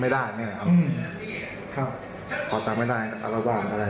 ไม่ได้ไหมครับขอตามไม่ได้ระหว่างเท่าไหร่